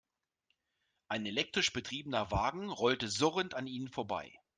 Ein elektrisch betriebener Wagen rollte surrend an ihnen vorbei.